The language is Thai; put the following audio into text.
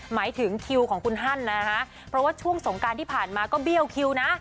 หมายถึงคิวของคุณฮันนะฮะเพราะว่าช่วงสงการที่ผ่านมาก็เบี้ยวคิวนะ